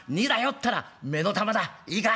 ったら目の玉だいいか？